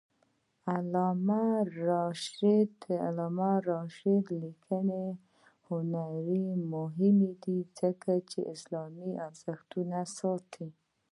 د علامه رشاد لیکنی هنر مهم دی ځکه چې اسلامي ارزښتونه ساتي.